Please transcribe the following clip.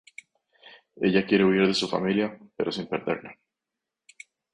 Ella quiere huir de su familia pero sin perderla.